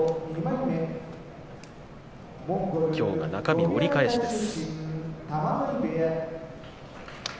きょうは中日、折り返しです。